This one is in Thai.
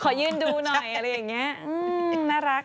ขอยืนดูหน่อยอะไรอย่างนี้น่ารัก